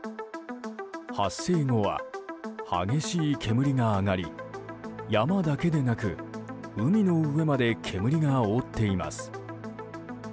発生後は激しい煙が上がり山だけでなく海の上まで煙が覆っています。